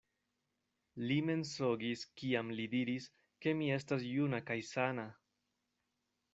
Li mensogis, kiam li diris, ke mi estas juna kaj sana!